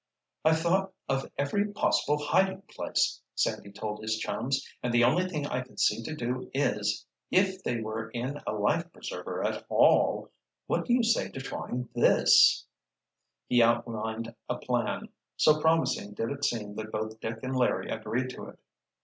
"I've thought of every possible hiding place," Sandy told his chums, "and the only thing I can see to do is—if they were in a life preserver at all—what do you say to trying this—" He outlined a plan. So promising did it seem that both Dick and Larry agreed to it.